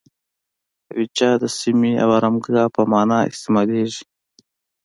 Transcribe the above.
اویجه د سیمې او آرامګاه په معنی استعمالیږي.